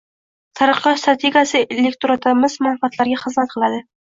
Taraqqiyot strategiyasi elektoratimiz manfaatlariga xizmat qilading